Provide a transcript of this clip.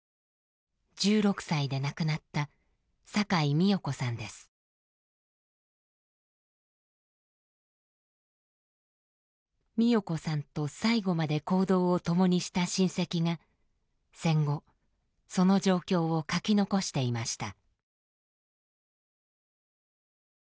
１６歳で亡くなった美代子さんと最後まで行動を共にした親戚が戦後その状況を書き残していました。